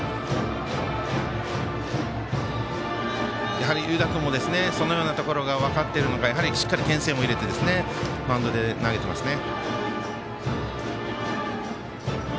やはり湯田君もそのようなところが分かっているのかやはりしっかりけん制も入れてマウンドで投げていますね。